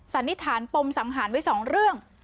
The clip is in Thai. สันนิษฐานปมสังหารไว้๒เรื่อง